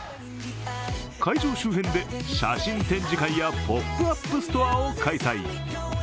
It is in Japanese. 会場周辺で写真展示会やポップアップストアを開催。